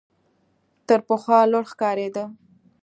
تر پخوا لوړ ښکارېده .